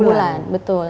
enam bulan betul